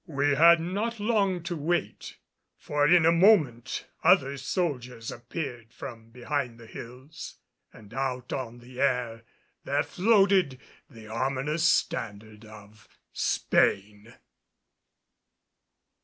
We had not long to wait, for in a moment other soldiers appeared from behind the hills and out on the air there floated the ominous standard of Spain.